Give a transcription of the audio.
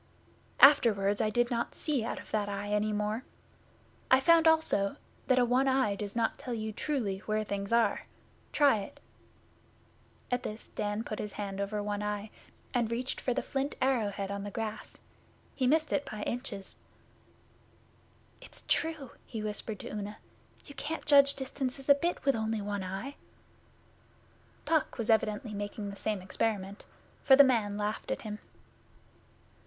'Afterwards I did not see out of that eye any more. I found also that a one eye does not tell you truly where things are. Try it!' At this Dan put his hand over one eye, and reached for the flint arrow head on the grass. He missed it by inches. 'It's true,' he whispered to Una. 'You can't judge distances a bit with only one eye.' Puck was evidently making the same experiment, for the man laughed at him.